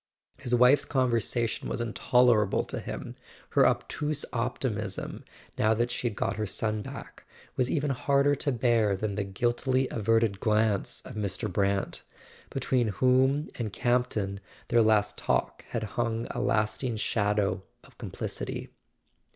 His wife's conversation was intolerable to him; her obtuse optimism, now that she had got her son back, was even harder to bear than the guiltily averted glance of Mr. Brant, between whom and Camp¬ ton their last talk had hung a lasting shadow of com¬ plicity.